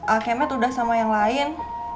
alkemet udah sama yang lain